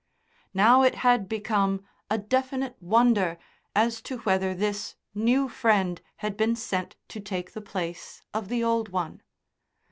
Now it had become a definite wonder as to whether this new friend had been sent to take the place of the old one.